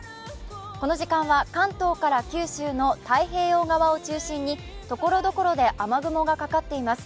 この時間は関東から九州の太平洋側を中心にところどころで雨雲がかかっています。